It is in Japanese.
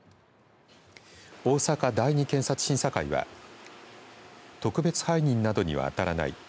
大阪第２検察審査会は特別背任などには当たらない。